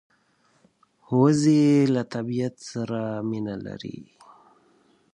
وزې له طبیعت سره مینه لري